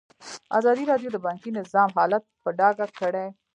ازادي راډیو د بانکي نظام حالت په ډاګه کړی.